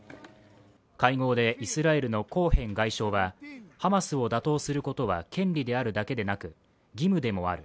会合でイスラエルのコーヘン外相は、ハマスを打倒することは権利であるだけではなく、義務でもある。